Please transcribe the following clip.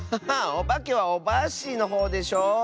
おばけはオバッシーのほうでしょ。